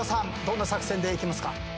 どんな作戦でいきますか？